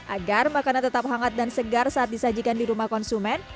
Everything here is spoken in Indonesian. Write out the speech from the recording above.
agar makanan tetap hangat dan segar saat disajikan di rumah konsumen